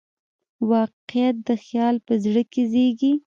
واقعیت د خیال په زړه کې زېږي.